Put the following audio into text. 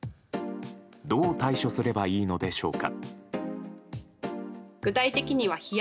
どう対処すればいいのでしょうか。